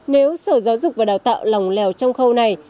nếu sở giáo dục và đào tạo lòng lèo trong khâu này